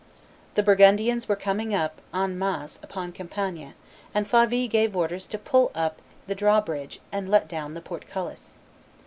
The Burgundians were coming up in mass upon Compiegne, and Flavy gave orders to pull up the draw bridge and let down the portcullis.